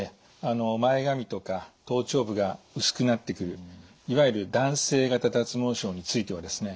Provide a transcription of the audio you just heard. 前髪とか頭頂部が薄くなってくるいわゆる男性型脱毛症についてはですね